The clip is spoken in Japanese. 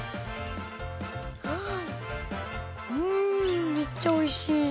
はうんめっちゃおいしい！